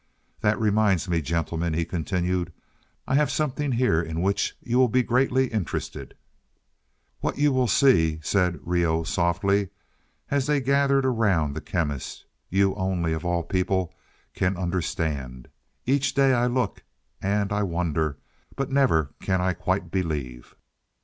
"That reminds me, gentlemen," he continued; "I have something here in which you will be greatly interested." "What you will see," said Reoh softly, as they gathered around the Chemist, "you only, of all people, can understand. Each day I look, and I wonder; but never can I quite believe."